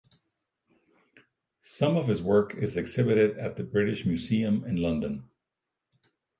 Some of his work is exhibited at the British Museum in London.